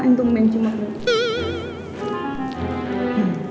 ngapain tuh main cuma gue